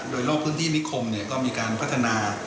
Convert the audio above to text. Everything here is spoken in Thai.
โดยรอบพื้นที่นิคมก็มีการพัฒนา